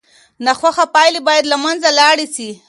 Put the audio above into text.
ناخوښه پایلې باید له منځه لاړې سي.